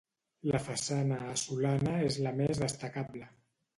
La façana a solana és la més destacable.